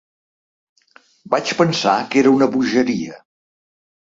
Vaig pensar que era una bogeria.